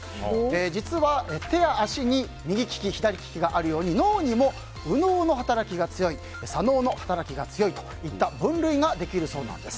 実は、手や足に右利き、左利きがあるように脳にも右脳の働きが強い左脳の働きが強いといった分類ができるそうです。